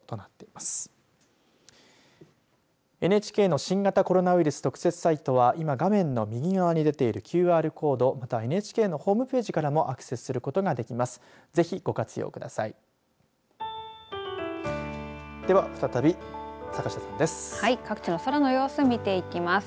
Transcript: ＮＨＫの新型コロナウイルス特設サイトは今画面の右側に出ているＱＲコードまたＮＨＫのホームページからもアクセスすることができます。